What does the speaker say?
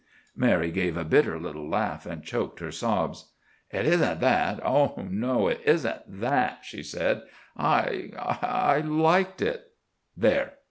Mary gave a bitter little laugh, and choked her sobs. "It isn't that, oh no, it isn't that!" she said. "I—I liked it. There!"